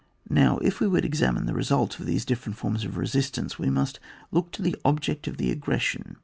Now, if we would examine the result of these different forms of resistance, we must look to the ijhjeci of the aggreseian.